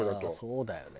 そうだよね。